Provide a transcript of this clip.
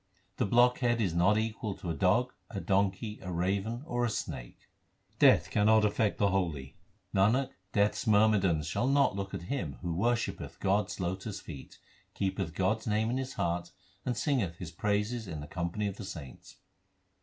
The blockhead is not equal to a dog, a donkey, a raven, or a snake. Death cannot affect the holy : Nanak, Death s myrmidons shall not look at him who worshippeth God s lotus feet, Keepeth God s name in his heart, and singeth His praises in the company of the saints.